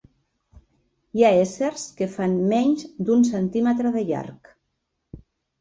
Hi ha éssers que fan menys d'un centímetre de llarg.